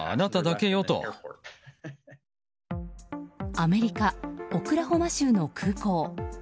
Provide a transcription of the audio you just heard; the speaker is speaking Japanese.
アメリカ・オクラホマ州の空港。